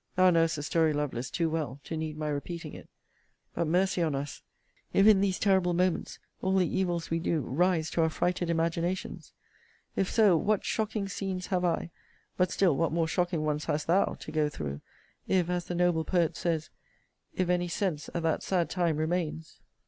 Thou knowest the story, Lovelace, too well, to need my repeating it: but, mercy on us, if in these terrible moments all the evils we do rise to our frighted imaginations! If so, what shocking scenes have I, but still what more shocking ones hast thou, to go through, if, as the noble poet says, If any sense at that sad time remains!